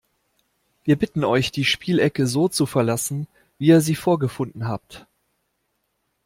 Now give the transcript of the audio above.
Wir bitten euch, die Spielecke so zu verlassen, wie ihr sie vorgefunden habt!